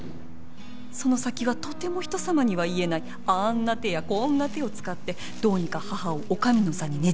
その先はとても人様には言えないあーんな手やこーんな手を使ってどうにか母を女将の座にねじ込んだ。